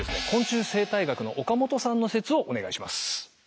昆虫生態学の岡本さんの説をお願いします。